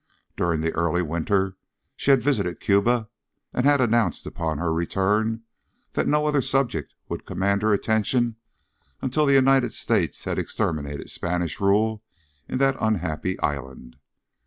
During the early winter she had visited Cuba and had announced upon her return that no other subject would command her attention until the United States had exterminated Spanish rule in that unhappy island.